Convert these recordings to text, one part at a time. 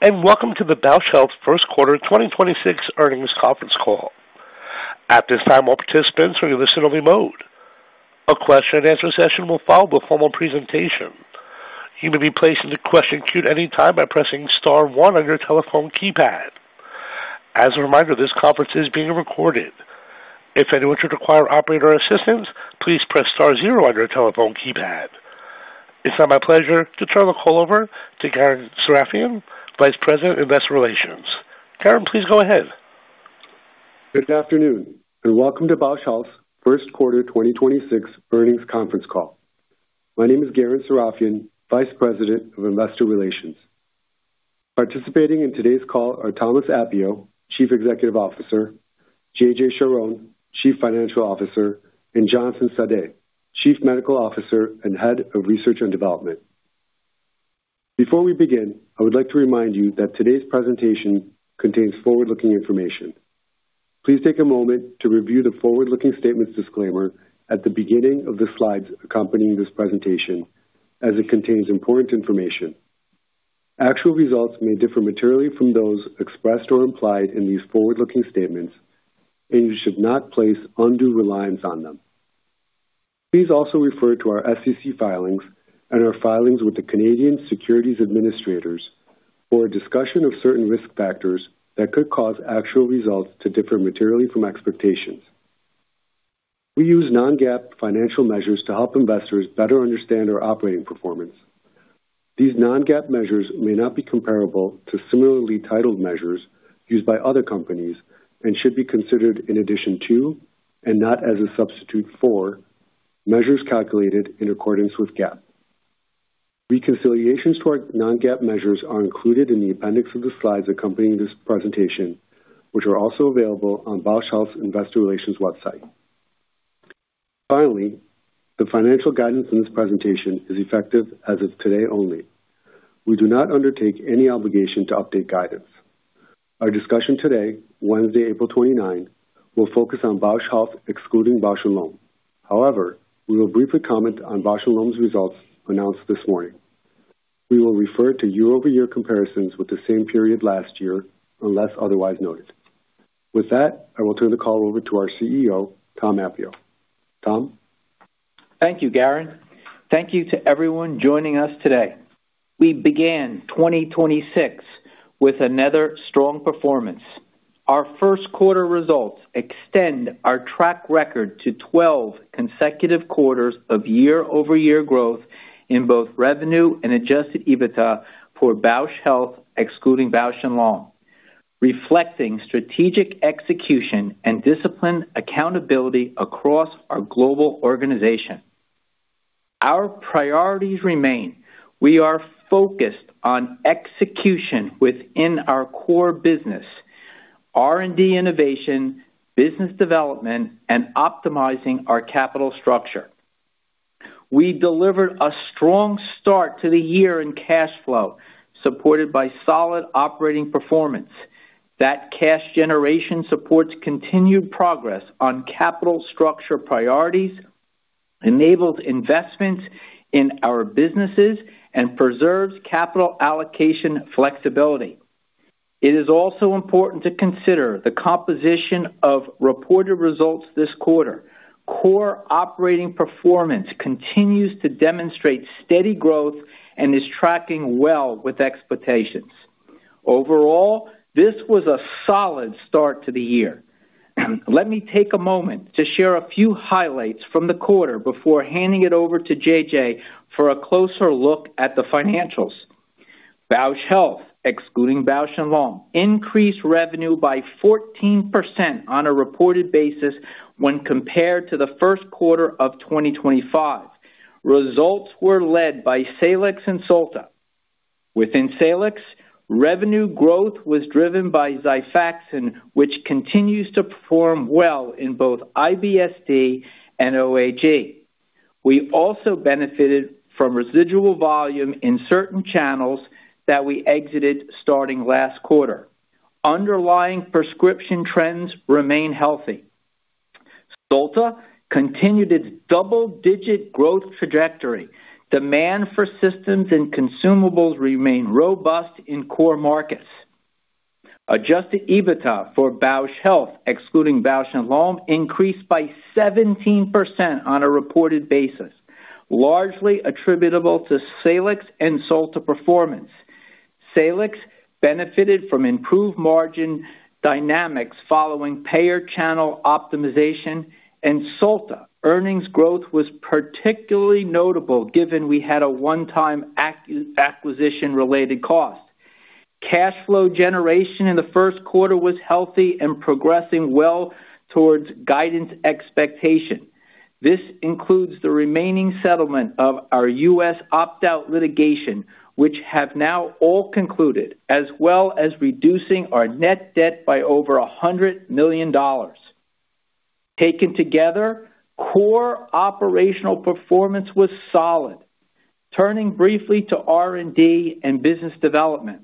Greetings, and welcome to the Bausch Health First Quarter 2026 Earnings Conference Call. At this time, all participants are in listen-only mode. A question-and-answer session will follow the formal presentation. You may be placed in the question queue at any time by pressing star one on your telephone keypad. If anyone should require operator assistance, please press star zero on your telephone keypad. It's now my pleasure to turn the call over to Garen Sarafian, Vice President of Investor Relations. Garen, please go ahead. Good afternoon, and welcome to Bausch Health First Quarter 2026 earnings conference call. My name is Garen Sarafian, Vice President of Investor Relations. Participating in today's call are Thomas Appio, Chief Executive Officer, Jean-Jacques Charhon, Chief Financial Officer, and Jonathan Sadeh, Chief Medical Officer and Head of Research and Development. Before we begin, I would like to remind you that today's presentation contains forward-looking information. Please take a moment to review the forward-looking statements disclaimer at the beginning of the slides accompanying this presentation, as it contains important information. Actual results may differ materially from those expressed or implied in these forward-looking statements, and you should not place undue reliance on them. Please also refer to our SEC filings and our filings with the Canadian Securities Administrators for a discussion of certain risk factors that could cause actual results to differ materially from expectations. We use non-GAAP financial measures to help investors better understand our operating performance. These non-GAAP measures may not be comparable to similarly titled measures used by other companies and should be considered in addition to, and not as a substitute for, measures calculated in accordance with GAAP. Reconciliations to our non-GAAP measures are included in the appendix of the slides accompanying this presentation, which are also available on Bausch Health's Investor Relations website. The financial guidance in this presentation is effective as of today only. We do not undertake any obligation to update guidance. Our discussion today, Wednesday, April 29, will focus on Bausch Health, excluding Bausch + Lomb. We will briefly comment on Bausch + Lomb's results announced this morning. We will refer to year-over-year comparisons with the same period last year, unless otherwise noted. With that, I will turn the call over to our CEO, Tom Appio. Tom? Thank you, Garen. Thank you to everyone joining us today. We began 2026 with another strong performance. Our first quarter results extend our track record to 12 consecutive quarters of year-over-year growth in both revenue and adjusted EBITDA for Bausch Health, excluding Bausch + Lomb, reflecting strategic execution and disciplined accountability across our global organization. Our priorities remain. We are focused on execution within our core business, R&D innovation, business development, and optimizing our capital structure. We delivered a strong start to the year in cash flow, supported by solid operating performance. That cash generation supports continued progress on capital structure priorities, enables investments in our businesses, and preserves capital allocation flexibility. It is also important to consider the composition of reported results this quarter. Core operating performance continues to demonstrate steady growth and is tracking well with expectations. Overall, this was a solid start to the year. Let me take a moment to share a few highlights from the quarter before handing it over to JJ for a closer look at the financials. Bausch Health, excluding Bausch + Lomb, increased revenue by 14% on a reported basis when compared to the first quarter of 2025. Results were led by Salix and Solta. Within Salix, revenue growth was driven by Xifaxan, which continues to perform well in both IBS-D and OHE. We also benefited from residual volume in certain channels that we exited starting last quarter. Underlying prescription trends remain healthy. Solta continued its double-digit growth trajectory. Demand for systems and consumables remain robust in core markets. Adjusted EBITDA for Bausch Health, excluding Bausch + Lomb, increased by 17% on a reported basis, largely attributable to Salix and Solta performance. Salix benefited from improved margin dynamics following payer channel optimization. Solta earnings growth was particularly notable given we had a one-time acquisition-related cost. Cash flow generation in the first quarter was healthy and progressing well towards guidance expectation. This includes the remaining settlement of our U.S. opt-out litigation, which have now all concluded, as well as reducing our net debt by over $100 million. Taken together, core operational performance was solid. Turning briefly to R&D and business development.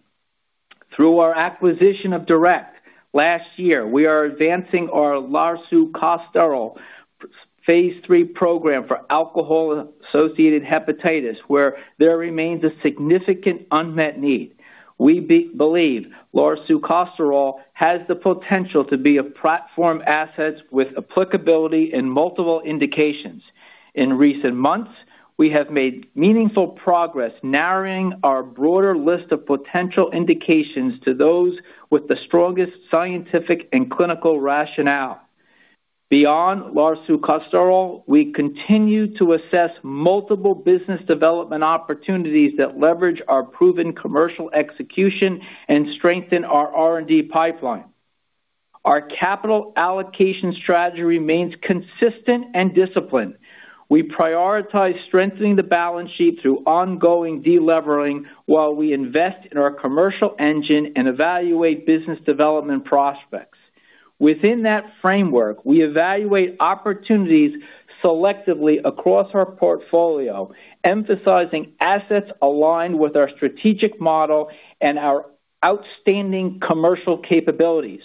Through our acquisition of DURECT last year, we are advancing our larsucosterol phase III program for alcohol-associated hepatitis, where there remains a significant unmet need. We believe larsucosterol has the potential to be a platform asset with applicability in multiple indications. In recent months, we have made meaningful progress narrowing our broader list of potential indications to those with the strongest scientific and clinical rationale. Beyond larsucosterol, we continue to assess multiple business development opportunities that leverage our proven commercial execution and strengthen our R&D pipeline. Our capital allocation strategy remains consistent and disciplined. We prioritize strengthening the balance sheet through ongoing delevering while we invest in our commercial engine and evaluate business development prospects. Within that framework, we evaluate opportunities selectively across our portfolio, emphasizing assets aligned with our strategic model and our outstanding commercial capabilities.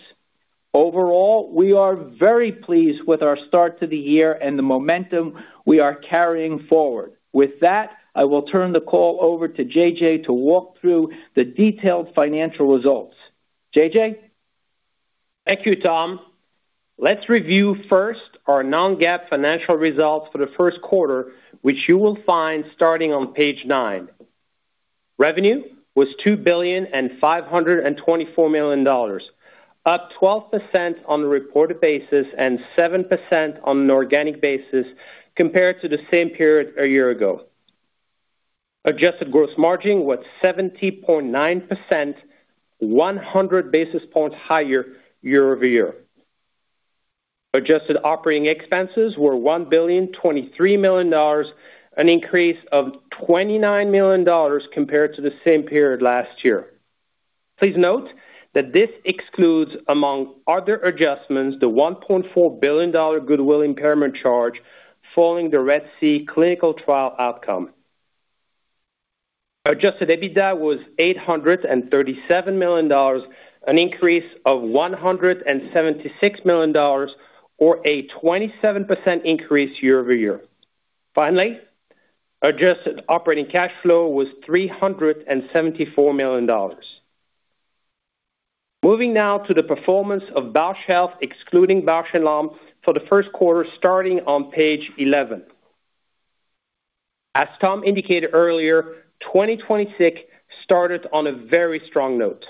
Overall, we are very pleased with our start to the year and the momentum we are carrying forward. With that, I will turn the call over to JJ to walk through the detailed financial results. JJ? Thank you, Tom. Let's review first our non-GAAP financial results for the first quarter, which you will find starting on page nine. Revenue was $2.524 billion, up 12% on a reported basis and 7% on an organic basis compared to the same period a year ago. Adjusted gross margin was 70.9%, 100 basis points higher year-over-year. Adjusted operating expenses were $1.023 billion, an increase of $29 million compared to the same period last year. Please note that this excludes, among other adjustments, the $1.4 billion goodwill impairment charge following the RED-C clinical trial outcome. Adjusted EBITDA was $837 million, an increase of $176 million or a 27% increase year-over-year. Adjusted operating cash flow was $374 million. Moving now to the performance of Bausch Health, excluding Bausch + Lomb, for the first quarter starting on page 11. As Tom indicated earlier, 2026 started on a very strong note.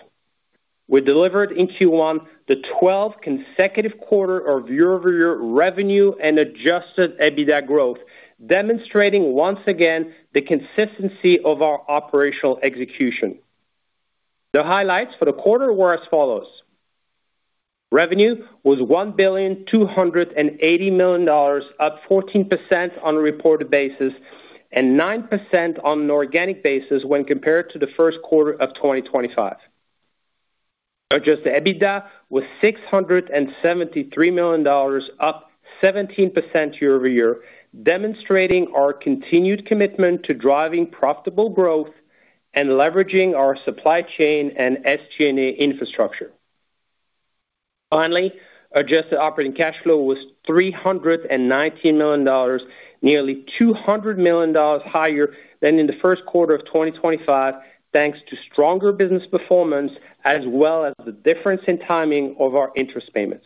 We delivered in Q1 the 12th consecutive quarter of year-over-year revenue and adjusted EBITDA growth, demonstrating once again the consistency of our operational execution. The highlights for the quarter were as follows. Revenue was $1.28 billion, up 14% on a reported basis and 9% on an organic basis when compared to the first quarter of 2025. Adjusted EBITDA was $673 million, up 17% year-over-year, demonstrating our continued commitment to driving profitable growth and leveraging our supply chain and SG&A infrastructure. Finally, adjusted operating cash flow was $319 million, nearly $200 million higher than in the first quarter of 2025, thanks to stronger business performance as well as the difference in timing of our interest payments.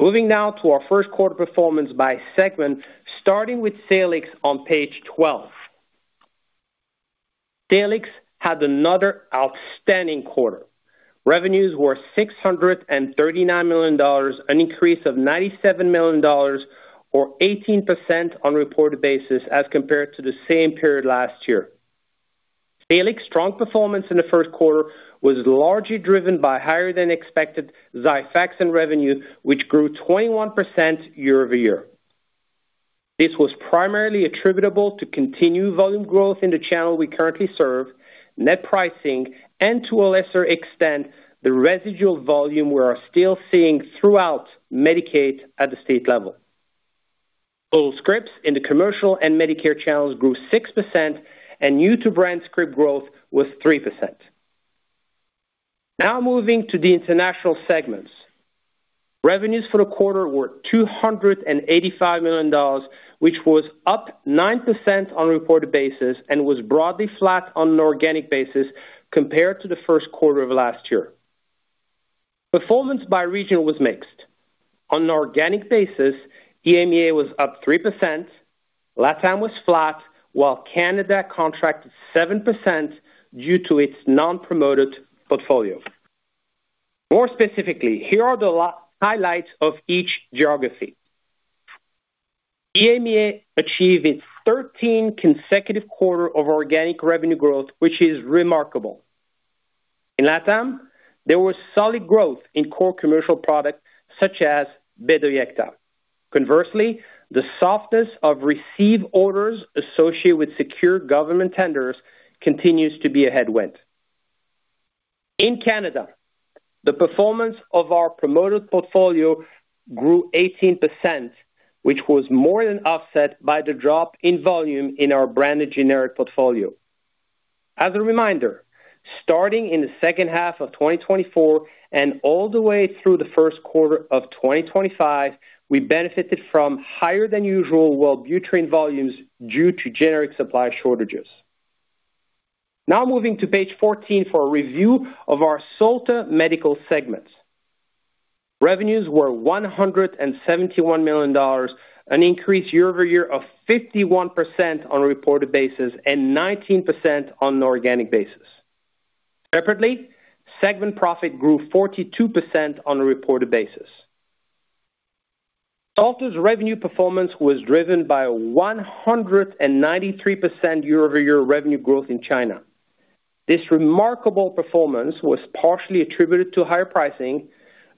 Moving now to our first quarter performance by segment, starting with Salix on page 12. Salix had another outstanding quarter. Revenues were $639 million, an increase of $97 million or 18% on a reported basis as compared to the same period last year. Salix strong performance in the first quarter was largely driven by higher-than-expected Xifaxan revenue, which grew 21% year-over-year. This was primarily attributable to continued volume growth in the channel we currently serve, net pricing, and to a lesser extent, the residual volume we are still seeing throughout Medicaid at the state level. Old scripts in the commercial and Medicare channels grew 6% and new-to-brand script growth was 3%. Moving to the international segments. Revenues for the quarter were $285 million, which was up 9% on a reported basis and was broadly flat on an organic basis compared to the first quarter of last year. Performance by region was mixed. On an organic basis, EMEA was up 3%, LatAm was flat, while Canada contracted 7% due to its non-promoted portfolio. More specifically, here are the highlights of each geography. EMEA achieved its 13th consecutive quarter of organic revenue growth, which is remarkable. In LatAm, there was solid growth in core commercial products such as Bedoyecta. Conversely, the softness of received orders associated with secured government tenders continues to be a headwind. In Canada, the performance of our promoted portfolio grew 18%, which was more than offset by the drop in volume in our branded generic portfolio. As a reminder, starting in the second half of 2024 and all the way through the first quarter of 2025, we benefited from higher than usual Wellbutrin volumes due to generic supply shortages. Now moving to page 14 for a review of our Solta Medical segment. Revenues were $171 million, an increase year-over-year of 51% on a reported basis and 19% on an organic basis. Separately, segment profit grew 42% on a reported basis. Solta's revenue performance was driven by a 193% year-over-year revenue growth in China. This remarkable performance was partially attributed to higher pricing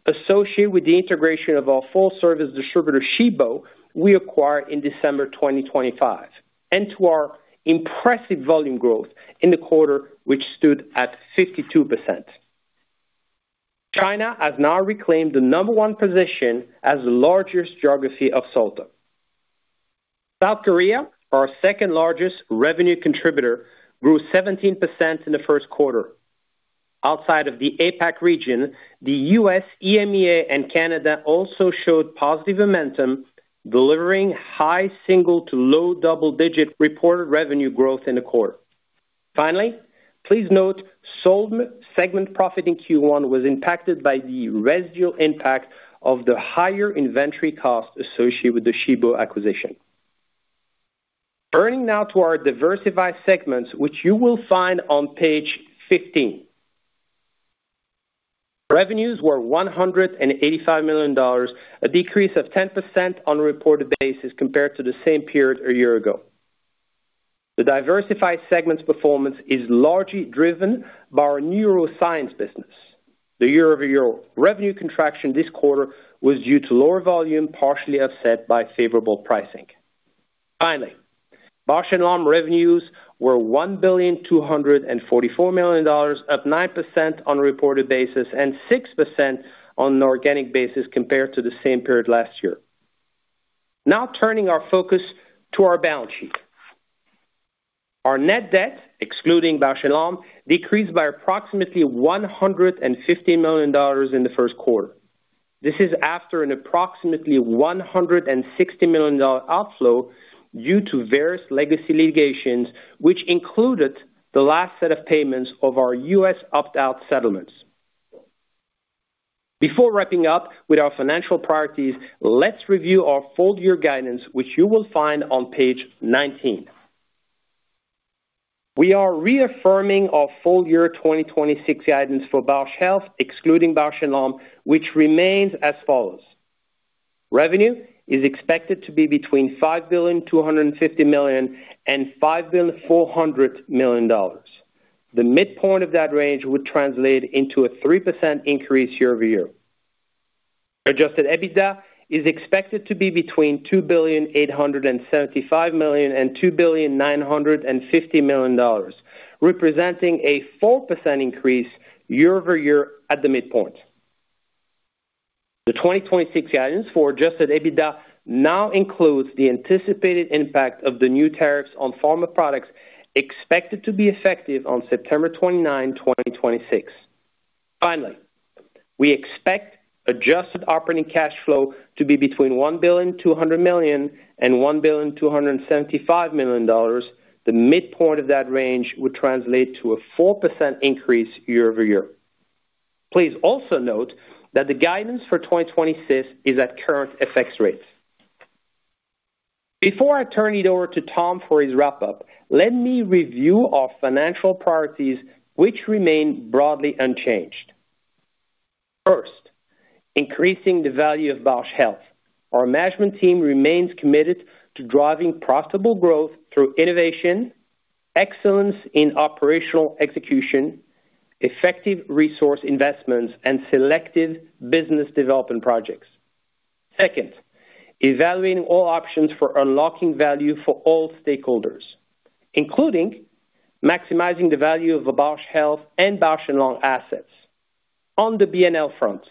associated with the integration of our full-service distributor, Shibo, we acquired in December 2025, and to our impressive volume growth in the quarter, which stood at 52%. China has now reclaimed the number one position as the largest geography of Solta. South Korea, our second-largest revenue contributor, grew 17% in the first quarter. Outside of the APAC region, the U.S., EMEA, and Canada also showed positive momentum, delivering high single to low double-digit reported revenue growth in the quarter. Finally, please note, sold segment profit in Q1 was impacted by the residual impact of the higher inventory cost associated with the Shibo acquisition. Turning now to our diversified segments, which you will find on page 15. Revenues were $185 million, a decrease of 10% on a reported basis compared to the same period a year ago. The diversified segment's performance is largely driven by our neuroscience business. The year-over-year revenue contraction this quarter was due to lower volume, partially offset by favorable pricing. Finally, Bausch + Lomb revenues were $1,244 million, up 9% on a reported basis and 6% on an organic basis compared to the same period last year. Turning our focus to our balance sheet. Our net debt, excluding Bausch + Lomb, decreased by approximately $150 million in the first quarter. This is after an approximately $160 million outflow due to various legacy litigations, which included the last set of payments of our U.S. opt-out settlements. Before wrapping up with our financial priorities, let's review our full-year guidance, which you will find on page 19. We are reaffirming our full-year 2026 guidance for Bausch Health, excluding Bausch + Lomb, which remains as follows. Revenue is expected to be between $5.25 billion and $5.4 billion. The midpoint of that range would translate into a 3% increase year-over-year. Adjusted EBITDA is expected to be between $2.875 billion and $2.95 billion, representing a 4% increase year-over-year at the midpoint. The 2026 guidance for adjusted EBITDA now includes the anticipated impact of the new tariffs on pharma products expected to be effective on September 29, 2026. We expect adjusted operating cash flow to be between $1.2 billion and $1.275 billion. The midpoint of that range would translate to a 4% increase year-over-year. Please also note that the guidance for 2026 is at current FX rates. Before I turn it over to Tom for his wrap-up, let me review our financial priorities, which remain broadly unchanged. First, increasing the value of Bausch Health. Our management team remains committed to driving profitable growth through innovation, excellence in operational execution, effective resource investments, and selective business development projects. Second, evaluating all options for unlocking value for all stakeholders, including maximizing the value of the Bausch Health and Bausch + Lomb assets. On the BNL front,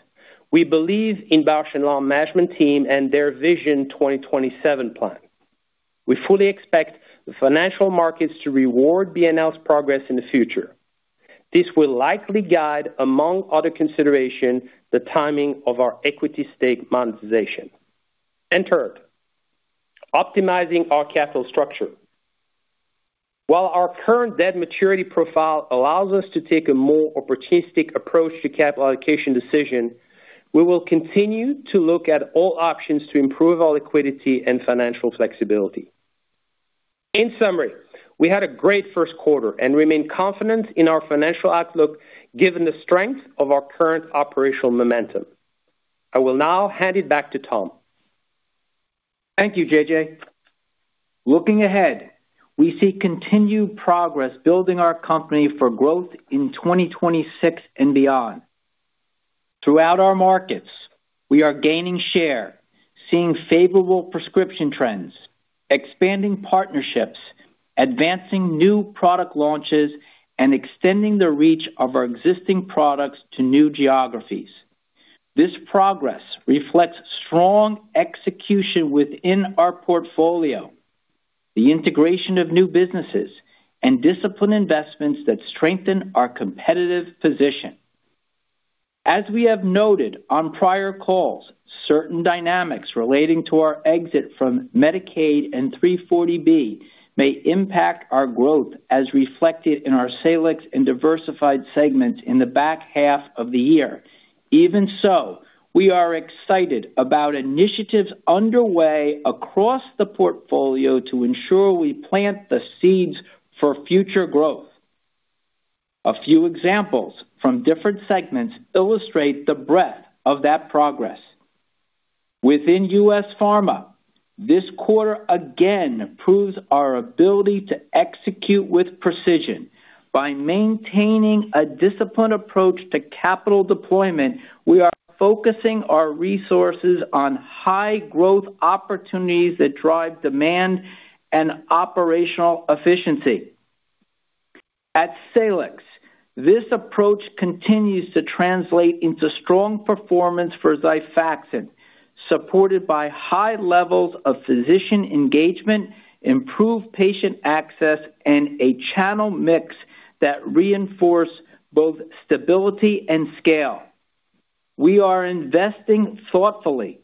we believe in Bausch + Lomb management team and their Vision 2027 plan. We fully expect the financial markets to reward BNL's progress in the future. This will likely guide, among other consideration, the timing of our equity stake monetization. Third, optimizing our capital structure. While our current debt maturity profile allows us to take a more opportunistic approach to capital allocation decision, we will continue to look at all options to improve our liquidity and financial flexibility. In summary, we had a great first quarter and remain confident in our financial outlook given the strength of our current operational momentum. I will now hand it back to Tom. Thank you, JJ. Looking ahead, we see continued progress building our company for growth in 2026 and beyond. Throughout our markets, we are gaining share, seeing favorable prescription trends, expanding partnerships, advancing new product launches, and extending the reach of our existing products to new geographies. This progress reflects strong execution within our portfolio, the integration of new businesses and disciplined investments that strengthen our competitive position. As we have noted on prior calls, certain dynamics relating to our exit from Medicaid and 340B may impact our growth as reflected in our Salix and diversified segments in the back half of the year. We are excited about initiatives underway across the portfolio to ensure we plant the seeds for future growth. A few examples from different segments illustrate the breadth of that progress. Within US Pharma, this quarter again proves our ability to execute with precision. By maintaining a disciplined approach to capital deployment, we are focusing our resources on high growth opportunities that drive demand and operational efficiency. At Salix, this approach continues to translate into strong performance for Xifaxan, supported by high levels of physician engagement, improved patient access, and a channel mix that reinforce both stability and scale. We are investing thoughtfully,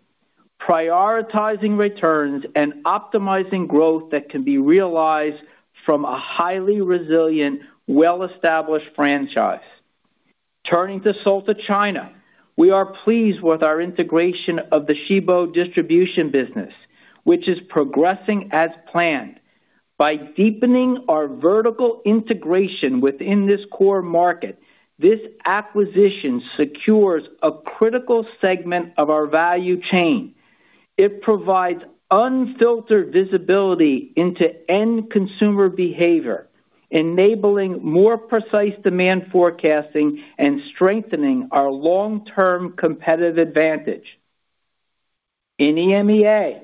prioritizing returns, and optimizing growth that can be realized from a highly resilient, well-established franchise. Turning to Solta China, we are pleased with our integration of the Shibo distribution business, which is progressing as planned. By deepening our vertical integration within this core market, this acquisition secures a critical segment of our value chain. It provides unfiltered visibility into end consumer behavior, enabling more precise demand forecasting and strengthening our long-term competitive advantage. In EMEA,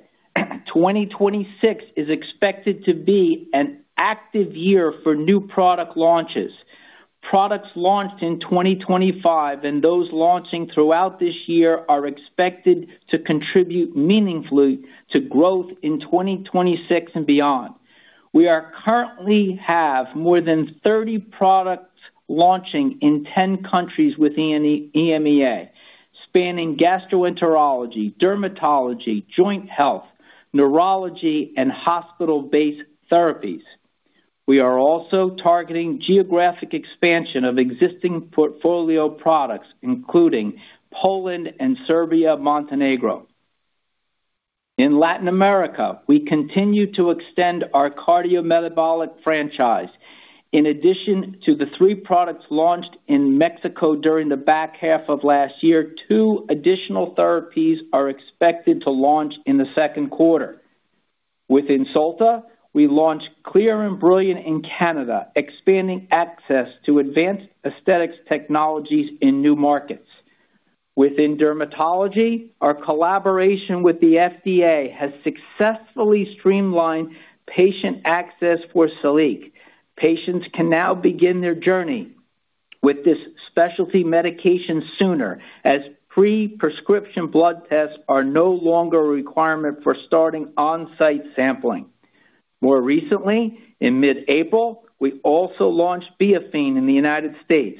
2026 is expected to be an active year for new product launches. Products launched in 2025 and those launching throughout this year are expected to contribute meaningfully to growth in 2026 and beyond. We are currently have more than 30 products launching in 10 countries within EMEA, spanning gastroenterology, dermatology, joint health, neurology, and hospital-based therapies. We are also targeting geographic expansion of existing portfolio products, including Poland and Serbia, Montenegro. In Latin America, we continue to extend our cardiometabolic franchise. In addition to the three products launched in Mexico during the back half of last year, two additional therapies are expected to launch in the second quarter. Within Solta, we launched Clear + Brilliant in Canada, expanding access to advanced aesthetics technologies in new markets. Within dermatology, our collaboration with the FDA has successfully streamlined patient access for SILIQ. Patients can now begin their journey with this specialty medication sooner, as pre-prescription blood tests are no longer a requirement for starting on-site sampling. More recently, in mid-April, we also launched Biafine in the U.S.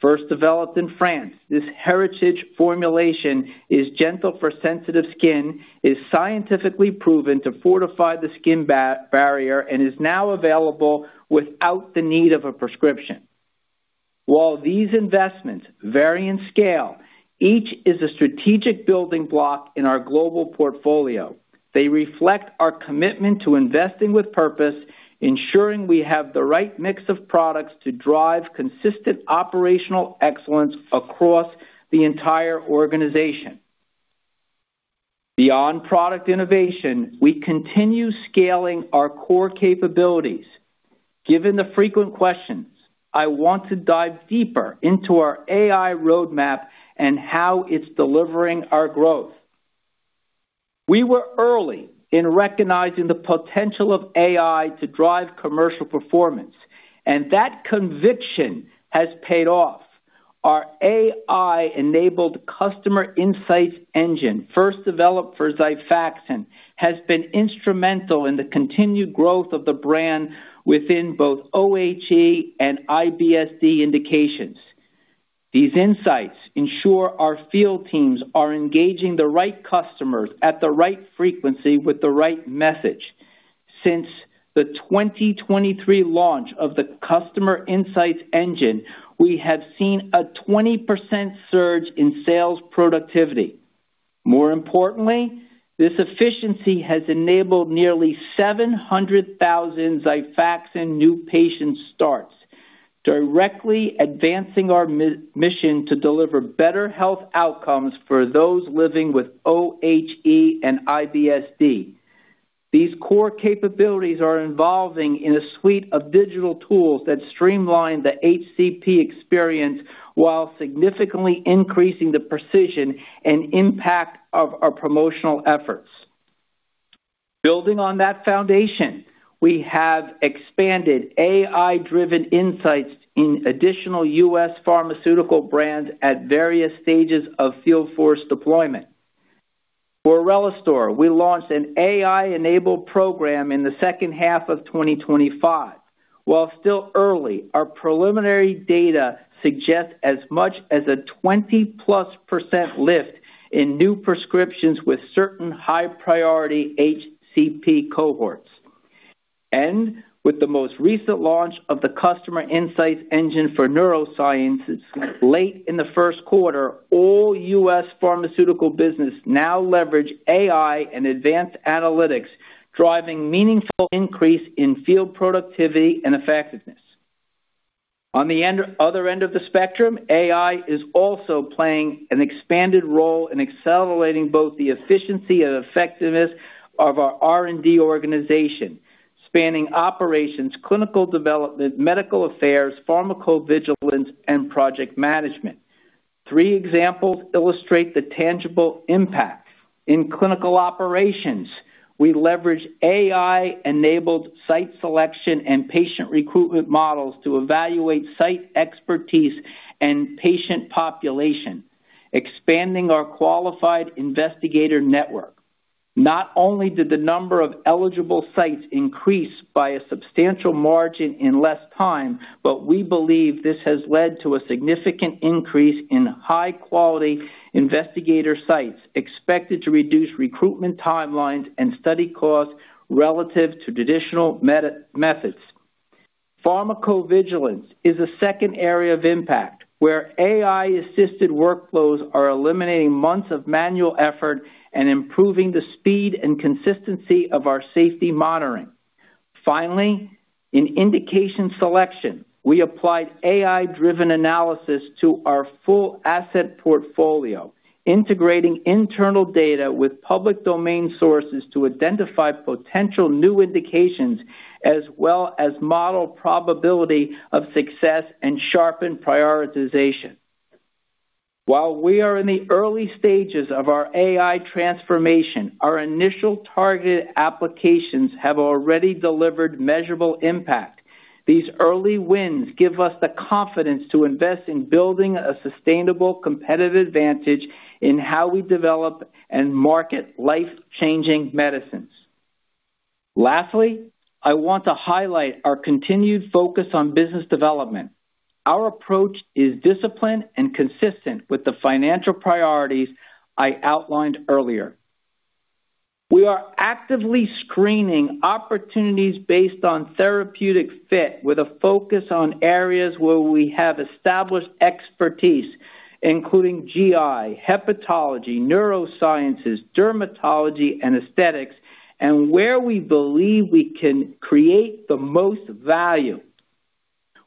First developed in France, this heritage formulation is gentle for sensitive skin, is scientifically proven to fortify the skin barrier, and is now available without the need of a prescription. While these investments vary in scale, each is a strategic building block in our global portfolio. They reflect our commitment to investing with purpose, ensuring we have the right mix of products to drive consistent operational excellence across the entire organization. Beyond product innovation, we continue scaling our core capabilities. Given the frequent questions, I want to dive deeper into our AI roadmap and how it's delivering our growth. We were early in recognizing the potential of AI to drive commercial performance, and that conviction has paid off. Our AI-enabled customer insights engine, first developed for Xifaxan, has been instrumental in the continued growth of the brand within both OHE and IBS-D indications. These insights ensure our field teams are engaging the right customers at the right frequency with the right message. Since the 2023 launch of the customer insights engine, we have seen a 20% surge in sales productivity. More importantly, this efficiency has enabled nearly 700,000 Xifaxan new patient starts, directly advancing our mission to deliver better health outcomes for those living with OHE and IBS-D. These core capabilities are evolving in a suite of digital tools that streamline the HCP experience while significantly increasing the precision and impact of our promotional efforts. Building on that foundation, we have expanded AI-driven insights in additional U.S. pharmaceutical brands at various stages of field force deployment. For RELISTOR, we launched an AI-enabled program in the second half of 2025. While still early, our preliminary data suggests as much as a 20+% lift in new prescriptions with certain high-priority HCP cohorts. With the most recent launch of the Customer Insights Engine for neurosciences late in the first quarter, all U.S. pharmaceutical business now leverages AI and advanced analytics, driving meaningful increase in field productivity and effectiveness. On the other end of the spectrum, AI is also playing an expanded role in accelerating both the efficiency and effectiveness of our R&D organization, spanning operations, clinical development, medical affairs, pharmacovigilance, and project management. Three examples illustrate the tangible impact. In clinical operations, we leverage AI-enabled site selection and patient recruitment models to evaluate site expertise and patient population, expanding our qualified investigator network. Not only did the number of eligible sites increase by a substantial margin in less time, but we believe this has led to a significant increase in high-quality investigator sites expected to reduce recruitment timelines and study costs relative to traditional meta-methods. Pharmacovigilance is a second area of impact, where AI-assisted workflows are eliminating months of manual effort and improving the speed and consistency of our safety monitoring. Finally, in indication selection, we applied AI-driven analysis to our full asset portfolio, integrating internal data with public domain sources to identify potential new indications, as well as model probability of success and sharpen prioritization. While we are in the early stages of our AI transformation, our initial targeted applications have already delivered measurable impact. These early wins give us the confidence to invest in building a sustainable competitive advantage in how we develop and market life-changing medicines. Lastly, I want to highlight our continued focus on business development. Our approach is disciplined and consistent with the financial priorities I outlined earlier. We are actively screening opportunities based on therapeutic fit with a focus on areas where we have established expertise, including GI, hepatology, neurosciences, dermatology, and aesthetics, and where we believe we can create the most value.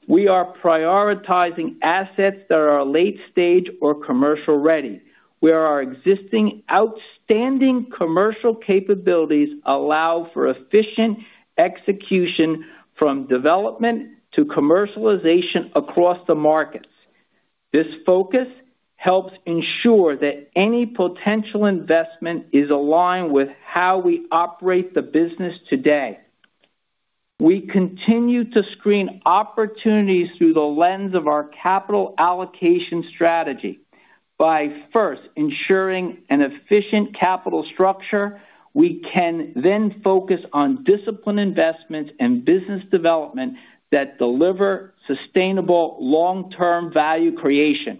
We are prioritizing assets that are late-stage or commercial-ready, where our existing outstanding commercial capabilities allow for efficient execution from development to commercialization across the markets. This focus helps ensure that any potential investment is aligned with how we operate the business today. We continue to screen opportunities through the lens of our capital allocation strategy. By first ensuring an efficient capital structure, we can then focus on disciplined investments and business development that deliver sustainable long-term value creation.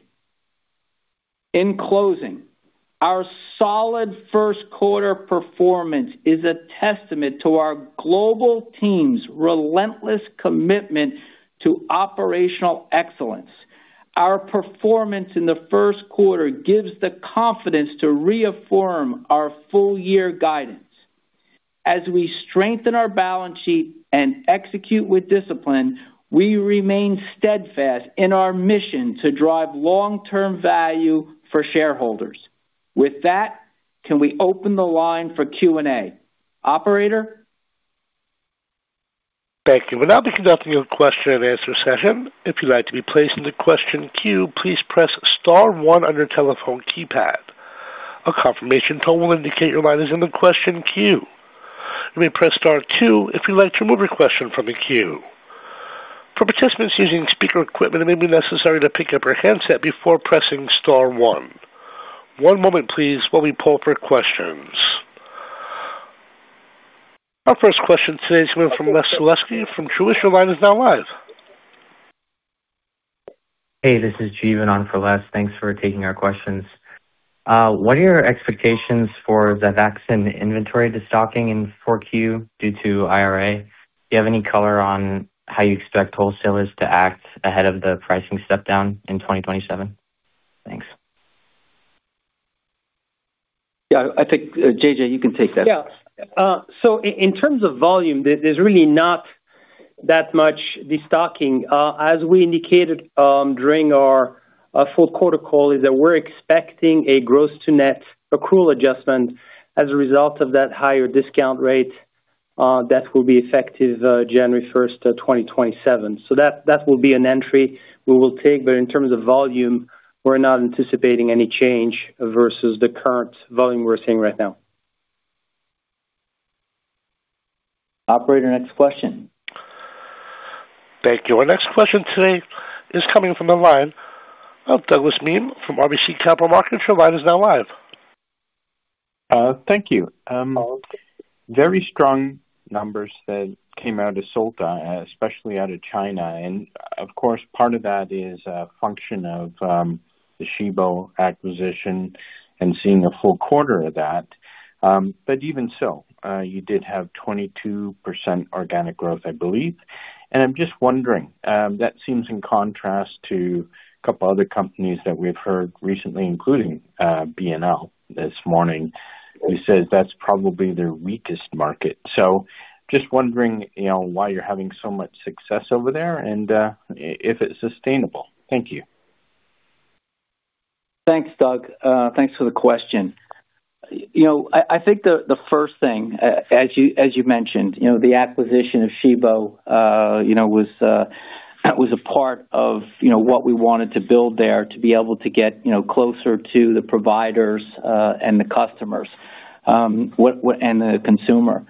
In closing, our solid first quarter performance is a testament to our global team's relentless commitment to operational excellence. Our performance in the first quarter gives the confidence to reaffirm our full year guidance. As we strengthen our balance sheet and execute with discipline, we remain steadfast in our mission to drive long-term value for shareholders. With that, can we open the line for Q&A? Operator? Thank you. We'll now be conducting a question-and-answer session. If you'd like to be placed in the question queue, please press star one on your telephone keypad. A confirmation tone will indicate your line is in the question queue. You may press star two if you'd like to remove your question from the queue. For participants using speaker equipment, it may be necessary to pick up your handset before pressing star one. One moment please while we poll for questions. Our first question today is coming from Les Sulewski from Truist Securities. Your line is now live. Hey, this is Jeevan on for Les. Thanks for taking our questions. What are your expectations for the Xifaxan inventory, the stocking in 4Q due to IRA? Do you have any color on how you expect wholesalers to act ahead of the pricing step down in 2027? Thanks. Yeah, I think, JJ, you can take that. Yeah. In terms of volume, there's really not- That much destocking. As we indicated, during our full quarter call, is that we're expecting a gross to net accrual adjustment as a result of that higher discount rate, that will be effective January 1, 2027. That will be an entry we will take. In terms of volume, we're not anticipating any change versus the current volume we're seeing right now. Operator, next question. Thank you. Our next question today is coming from the line of Douglas Miehm from RBC Capital Markets. Your line is now live. Thank you. Very strong numbers that came out of Solta, especially out of China. Of course, part of that is a function of the Shibo acquisition and seeing a full quarter of that. Even so, you did have 22% organic growth, I believe. I'm just wondering, that seems in contrast to a couple other companies that we've heard recently, including BNL this morning, who says that's probably their weakest market. Just wondering, you know, why you're having so much success over there and if it's sustainable. Thank you. Thanks, Doug. Thanks for the question. You know, I think the first thing, as you mentioned, you know, the acquisition of Shibo, you know, was that was a part of, you know, what we wanted to build there to be able to get, you know, closer to the providers and the customers and the consumer.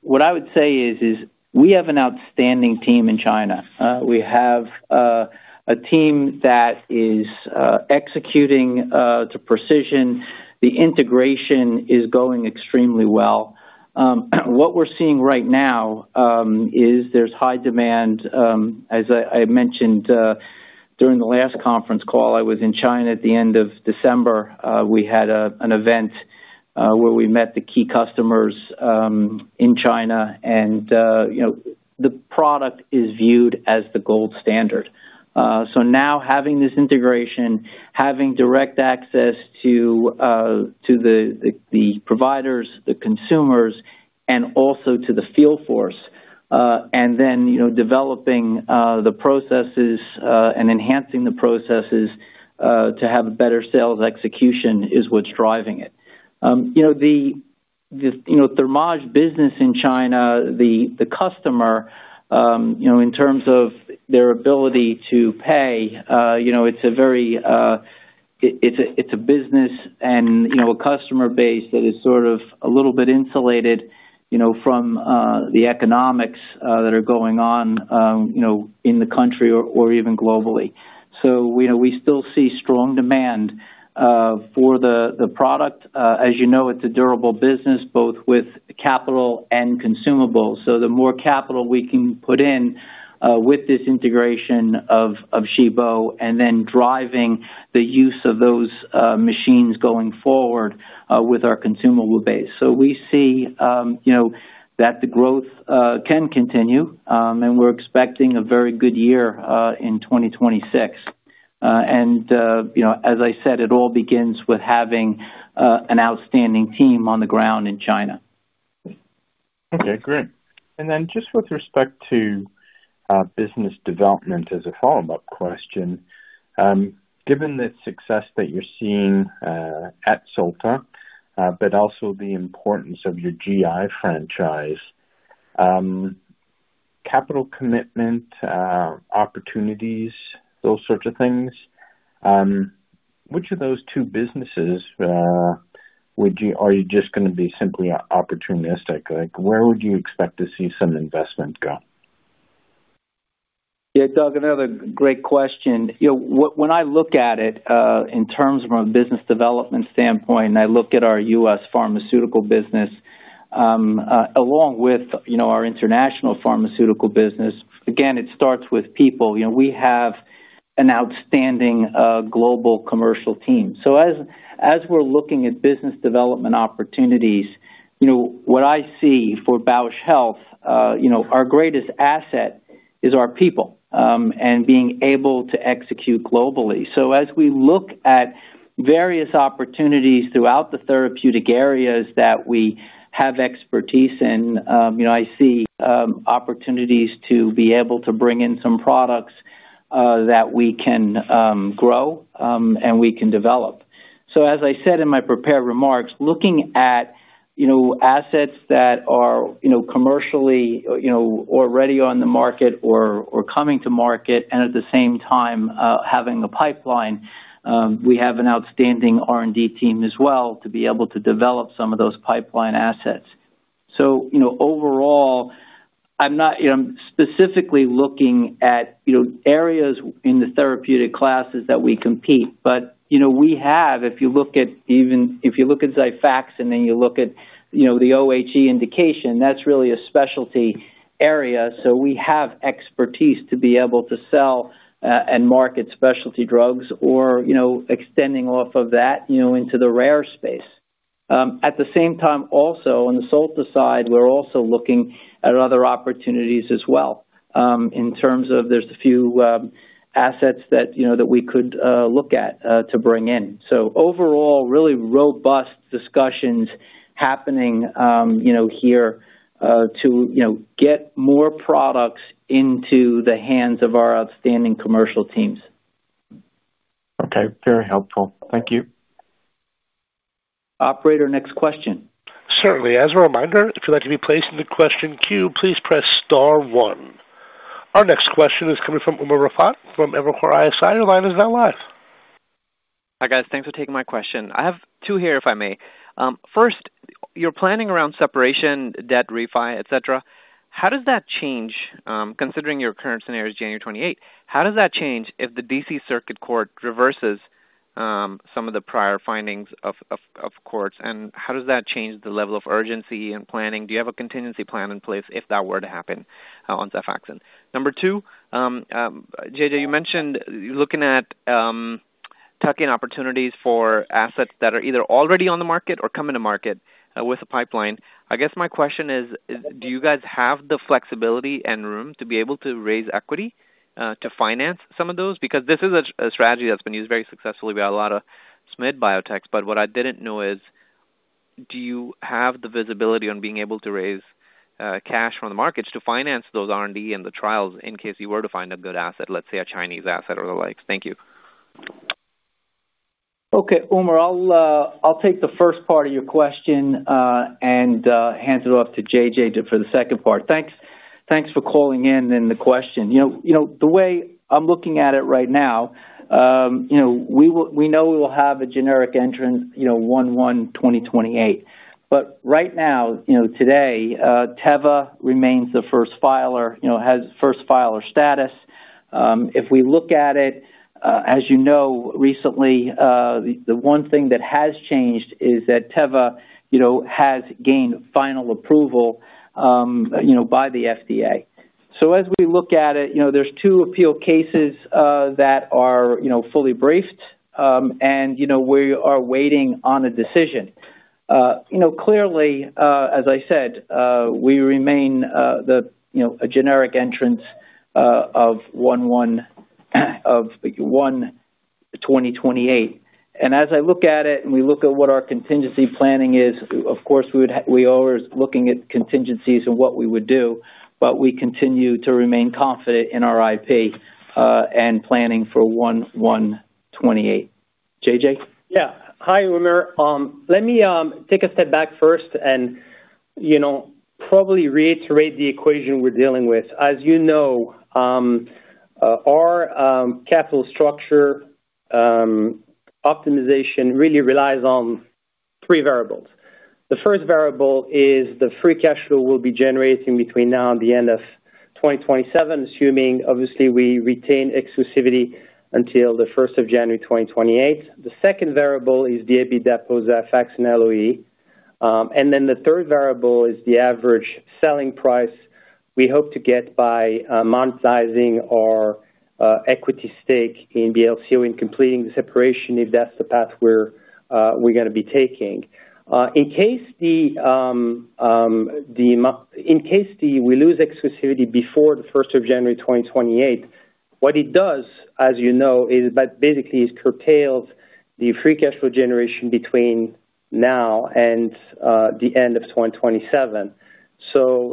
What I would say is, we have an outstanding team in China. We have a team that is executing to precision. The integration is going extremely well. What we're seeing right now is there's high demand. As I mentioned during the last conference call, I was in China at the end of December. We had an event where we met the key customers in China, you know, the product is viewed as the gold standard. Now having this integration, having direct access to the providers, the consumers, and also to the field force, and then, you know, developing the processes and enhancing the processes to have a better sales execution is what's driving it. You know, the, you know, Thermage business in China, the customer, you know, in terms of their ability to pay, you know, it's a very, it's a business and, you know, a customer base that is sort of a little bit insulated, you know, from the economics that are going on, you know, in the country or even globally. You know, we still see strong demand for the product. As you know, it's a durable business, both with capital and consumables. The more capital we can put in with this integration of Shibo and then driving the use of those machines going forward with our consumable base. We see, you know, that the growth can continue, and we're expecting a very good year in 2026. You know, as I said, it all begins with having an outstanding team on the ground in China. Okay, great. Just with respect to business development as a follow-up question, given the success that you're seeing at Solta, but also the importance of your GI franchise, capital commitment, opportunities, those sorts of things, which of those two businesses, are you just gonna be simply opportunistic? Like, where would you expect to see some investment go? Doug, another great question. You know, when I look at it, in terms from a business development standpoint, and I look at our U.S. pharmaceutical business, along with, you know, our international pharmaceutical business, again, it starts with people. You know, we have an outstanding global commercial team. As we're looking at business development opportunities, you know, what I see for Bausch Health, you know, our greatest asset is our people and being able to execute globally. As we look at various opportunities throughout the therapeutic areas that we have expertise in, you know, I see opportunities to be able to bring in some products that we can grow and we can develop. As I said in my prepared remarks, looking at, you know, assets that are, you know, commercially, you know, already on the market or coming to market and at the same time, having a pipeline, we have an outstanding R&D team as well to be able to develop some of those pipeline assets. Overall, I'm not, you know, specifically looking at, you know, areas in the therapeutic classes that we compete. We have, if you look at If you look at Xifaxan, then you look at, you know, the OHE indication, that's really a specialty area. We have expertise to be able to sell, and market specialty drugs or, you know, extending off of that, you know, into the rare space. At the same time also, on the Solta side, we're also looking at other opportunities as well, in terms of there's a few assets that, you know, that we could look at to bring in. Overall, really robust discussions happening, you know, here, too, you know, get more products into the hands of our outstanding commercial teams. Okay, very helpful. Thank you. Operator, next question. Certainly. As a reminder, if you'd like to be placed in the question queue, please press star one. Our next question is coming from Umer Raffat from Evercore ISI. Your line is now live. Hi, guys. Thanks for taking my question. I have two here, if I may. First, you're planning around separation, debt refi, et cetera, how does that change, considering your current scenario is January 28, how does that change if the D.C. Circuit Court reverses some of the prior findings of courts, and how does that change the level of urgency and planning? Do you have a contingency plan in place if that were to happen on Xifaxan? Number two, JJ, you mentioned looking at tuck-in opportunities for assets that are either already on the market or coming to market with a pipeline. I guess my question is, do you guys have the flexibility and room to be able to raise equity to finance some of those? This is a strategy that's been used very successfully by a lot of SMid biotechs. What I didn't know is do you have the visibility on being able to raise cash from the markets to finance those R&D and the trials in case you were to find a good asset, let's say a Chinese asset or the like? Thank you. Okay. Umer, I'll take the first part of your question and hand it off to J.J. for the second part. Thanks for calling in and the question. You know, the way I'm looking at it right now, you know, we know we will have a generic entrant, you know, 1/1/2028. Right now, you know, today, Teva remains the first filer, you know, has first filer status. If we look at it, as you know, recently, the one thing that has changed is that Teva, you know, has gained final approval, you know, by the FDA. As we look at it, you know, there's two appeal cases that are, you know, fully briefed, and, you know, we are waiting on a decision. You know, clearly, as I said, we remain, the, you know, a generic entrant, of 1/1/2028. As I look at it, and we look at what our contingency planning is, of course, we always looking at contingencies and what we would do, but we continue to remain confident in our IP, and planning for 1/1/2028. JJ. Yeah. Hi, Umer. Let me take a step back first and, you know, probably reiterate the equation we're dealing with. As you know, our capital structure optimization really relies on three variables. The first variable is the free cash flow we'll be generating between now and the end of 2027, assuming obviously we retain exclusivity until the January 1st, 2028. The second variable is the AP depot, Xifaxan LOE. Then the third variable is the average selling price we hope to get by monetizing our equity stake in BLCO in completing the separation, if that's the path we're gonna be taking. In case we lose exclusivity before the January 1st, 2028, what it does, as you know, is that basically it curtails the free cash flow generation between now and the end of 2027.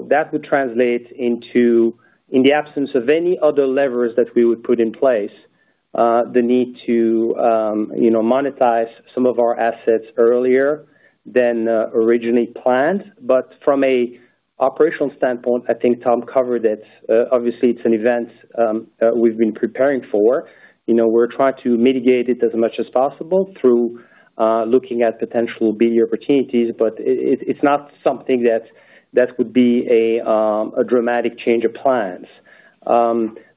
That would translate into, in the absence of any other levers that we would put in place, the need to, you know, monetize some of our assets earlier than originally planned. From a operational standpoint, I think Tom covered it. Obviously, it's an event we've been preparing for. You know, we're trying to mitigate it as much as possible through looking at potential BD opportunities, but it, it's not something that would be a dramatic change of plans.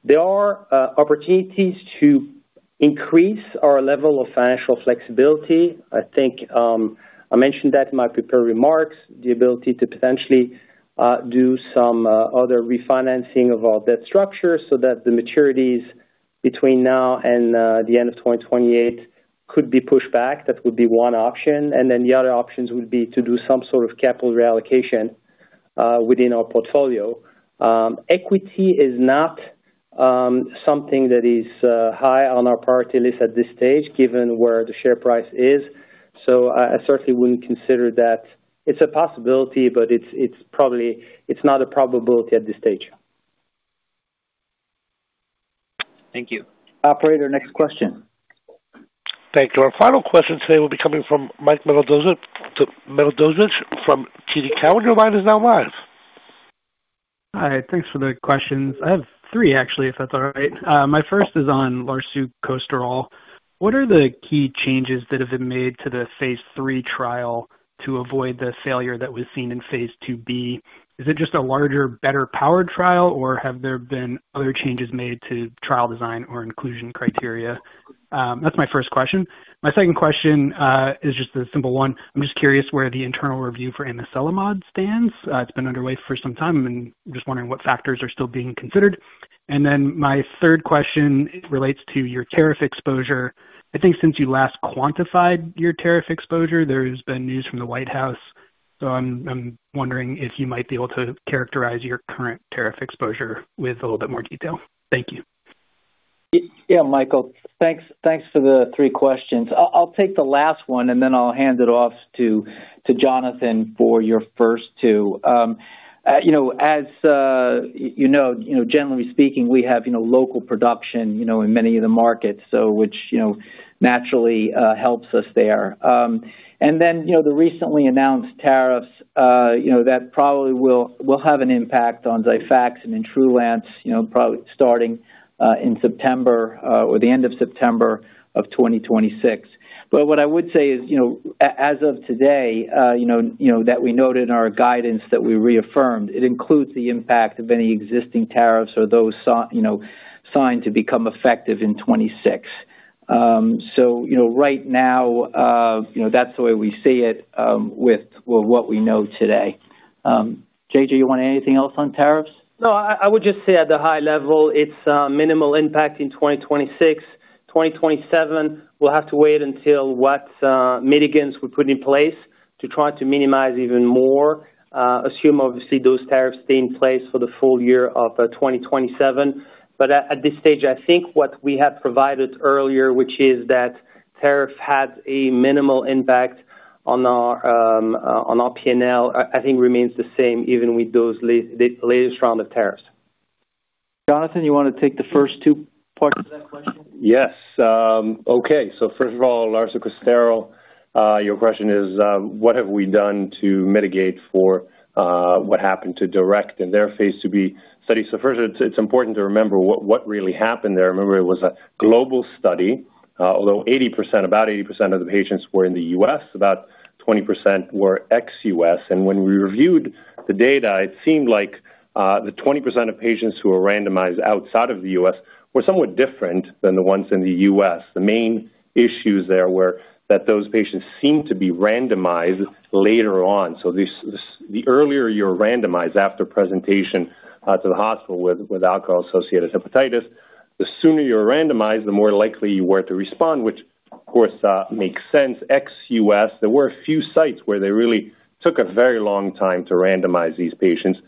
There are opportunities to increase our level of financial flexibility. I think, I mentioned that in my prepared remarks, the ability to potentially do some other refinancing of our debt structure so that the maturities between now and the end of 2028 could be pushed back. That would be one option. The other options would be to do some sort of capital reallocation within our portfolio. Equity is not something that is high on our priority list at this stage, given where the share price is. I certainly wouldn't consider that. It's a possibility, it's probably not a probability at this stage. Thank you. Operator, next question. Thank you. Our final question today will be coming from Michael Nedelcovych from TD Cowen. Hi. Thanks for the questions. I have three actually, if that's all right. My first is on larsucosterol. What are the key changes that have been made to the phase III trial to avoid the failure that was seen in phase II-B? Is it just a larger, better powered trial, or have there been other changes made to trial design or inclusion criteria? That's my first question. My second question is just a simple one. I'm just curious where the internal review for amiselimod stands. It's been underway for some time and just wondering what factors are still being considered. My third question relates to your tariff exposure. I think since you last quantified your tariff exposure, there's been news from the White House. I'm wondering if you might be able to characterize your current tariff exposure with a little bit more detail. Thank you. Yeah, Michael, thanks for the three questions. I'll take the last one, and then I'll hand it off to Jonathan for your first two. You know, as you know, generally speaking, we have local production in many of the markets, so which, you know, naturally helps us there. You know, the recently announced tariffs, you know, that probably will have an impact on Xifaxan and TRULANCE, you know, starting in September, or the end of September of 2026. What I would say is, you know, as of today, you know, that we noted in our guidance that we reaffirmed, it includes the impact of any existing tariffs or those, you know, signed to become effective in 2026. You know, right now, you know, that's the way we see it, with, well, what we know today. JJ, you want anything else on tariffs? No, I would just say at the high level, it's minimal impact in 2026. 2027, we'll have to wait until what mitigants we put in place to try to minimize even more. Assume obviously those tariffs stay in place for the full year of 2027. At this stage, I think what we have provided earlier, which is that tariff has a minimal impact on our P&L, I think remains the same even with the latest round of tariffs. Jonathan, you wanna take the first two parts of that question? Yes. Okay. First of all, larsucosterol, your question is, what have we done to mitigate for what happened to DURECT in their phase II-B study? First, it's important to remember what really happened there. Remember, it was a global study, although about 80% of the patients were in the U.S., about 20% were ex-U.S. When we reviewed the data, it seemed like the 20% of patients who were randomized outside of the U.S. were somewhat different than the ones in the U.S. The main issues there were that those patients seemed to be randomized later on. This, the earlier you're randomized after presentation to the hospital with alcohol-associated hepatitis, the sooner you're randomized, the more likely you were to respond, which of course makes sense. Ex-U.S., there were a few sites where they really took a very long time to randomize these patients.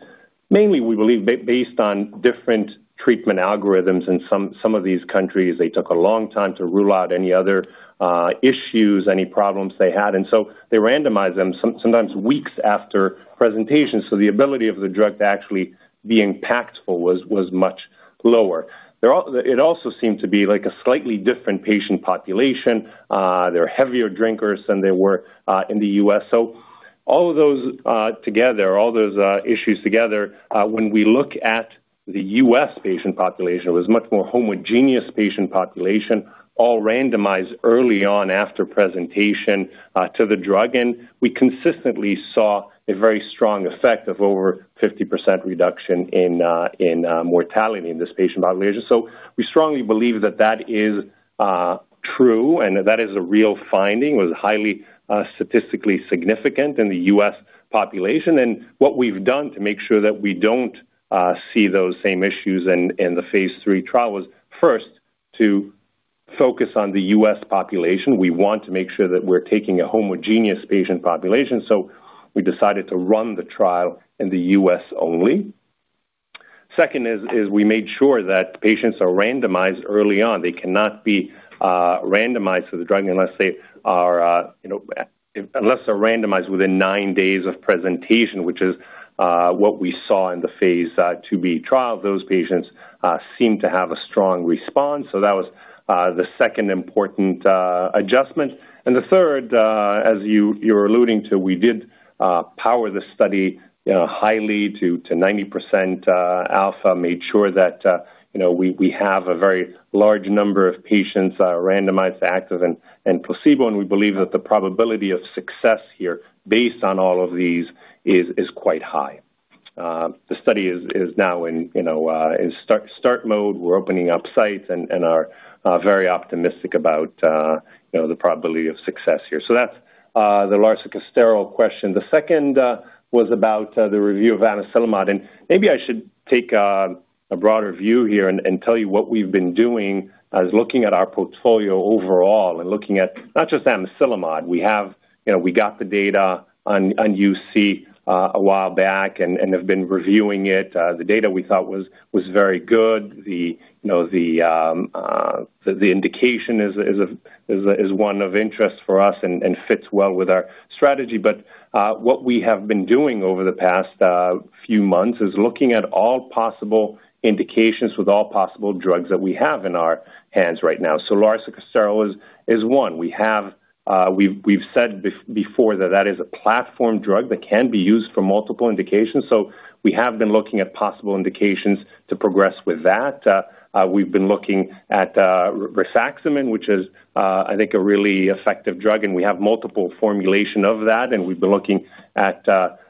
Mainly, we believe based on different treatment algorithms in some of these countries, they took a long time to rule out any other issues, any problems they had. They randomized them sometimes weeks after presentation. The ability of the drug to actually be impactful was much lower. It also seemed to be like a slightly different patient population. They're heavier drinkers than they were in the U.S. All of those together, all those issues together, when we look at the U.S. patient population, it was a much more homogeneous patient population, all randomized early on after presentation to the drug. We consistently saw a very strong effect of over 50% reduction in mortality in this patient population. We strongly believe that that is true and that is a real finding, was highly statistically significant in the U.S. population. What we've done to make sure that we don't see those same issues in the phase III trial was first to focus on the U.S. population. We want to make sure that we're taking a homogeneous patient population, so we decided to run the trial in the U.S. only. Second, we made sure that patients are randomized early on. They cannot be randomized for the drug unless they are, you know, unless they're randomized within nine days of presentation, which is what we saw in the phase II-B trial. Those patients seem to have a strong response. That was the second important adjustment. The third, as you're alluding to, we did power the study, you know, highly to 90% alpha. Made sure that, you know, we have a very large number of patients randomized active and placebo, and we believe that the probability of success here, based on all of these, is quite high. The study is now in, you know, start mode. We're opening up sites and are very optimistic about, you know, the probability of success here. That's the larsucosterol question. The second was about the review of amiselimod, and maybe I should take a broader view here and tell you what we've been doing as looking at our portfolio overall and looking at not just amiselimod. We have, we got the data on UC a while back and have been reviewing it. The data we thought was very good. The indication is a one of interest for us and fits well with our strategy. What we have been doing over the past few months is looking at all possible indications with all possible drugs that we have in our hands right now. larsucosterol is one. We have, we've said before that that is a platform drug that can be used for multiple indications. We have been looking at possible indications to progress with that. We've been looking at rifaximin, which is, I think a really effective drug, and we have multiple formulation of that, and we've been looking at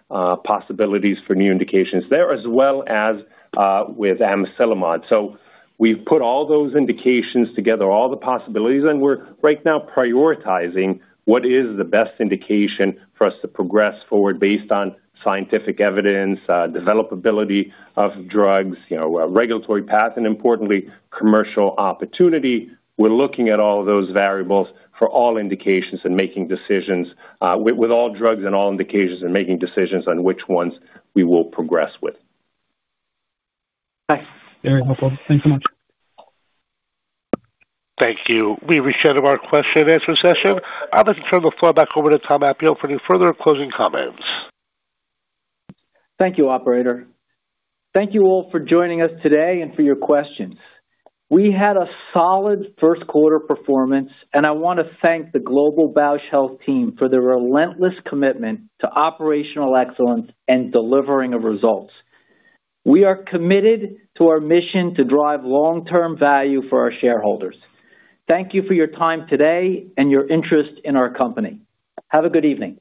possibilities for new indications there as well as with amiselimod. We've put all those indications together, all the possibilities, and we're right now prioritizing what is the best indication for us to progress forward based on scientific evidence, developability of drugs, you know, regulatory path, and importantly, commercial opportunity. We're looking at all of those variables for all indications and making decisions with all drugs and all indications and making decisions on which ones we will progress with. Thanks. Very helpful. Thanks so much. Thank you. We've reached the end of our question and answer session. I'll just turn the floor back over to Tom Appio for any further closing comments. Thank you, operator. Thank you all for joining us today and for your questions. We had a solid first quarter performance, and I wanna thank the global Bausch Health team for their relentless commitment to operational excellence and delivering of results. We are committed to our mission to drive long-term value for our shareholders. Thank you for your time today and your interest in our company. Have a good evening.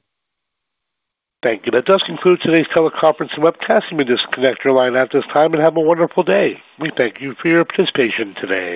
Thank you. That does conclude today's teleconference and webcast. You may disconnect your line at this time and have a wonderful day. We thank you for your participation today.